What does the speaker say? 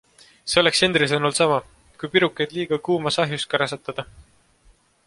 See oleks Henry sõnul sama, kui pirukaid liiga kuumas ahjus kärsatada.